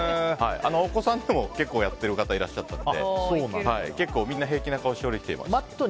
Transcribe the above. お子さんでも結構やっている方いらっしゃったので結構、みんな平気な顔して下りてました。